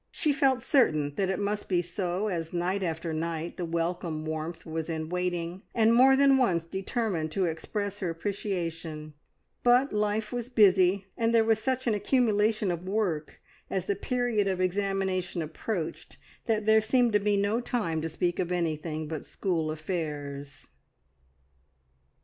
She felt certain that it must be so, as night after night the welcome warmth was in waiting, and more than once determined to express her appreciation; but life was busy, and there was such an accumulation of work as the period of examination approached, that there seemed no time to speak of anything but school affairs.